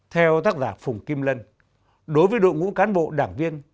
theo tác giả phùng kim lân đối với đội ngũ cán bộ đảng viên